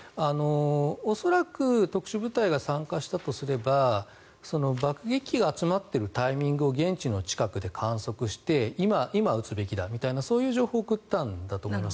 恐らく特殊部隊が参加したとすれば爆撃機が集まっているタイミングを現地の近くで観測して今、撃つべきだという情報を送ったんだと思います。